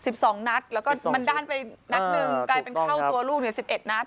ถูกต้องครับกลายเป็นเข้าตัวลูก๑๑นัด